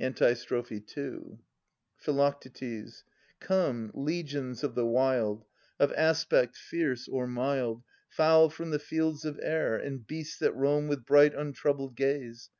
Antistrophe II. Phi. Come, legions of the wild. Of aspect fierce or mild. Fowl from the fields of air. And beasts that roam with bright untroubled gaze.